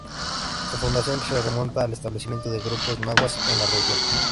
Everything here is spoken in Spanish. Su fundación se remonta al establecimiento de grupos nahuas en la región.